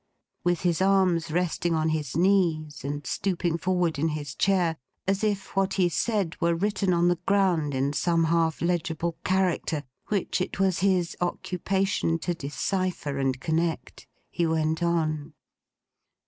With his arms resting on his knees; and stooping forward in his chair, as if what he said were written on the ground in some half legible character, which it was his occupation to decipher and connect; he went on.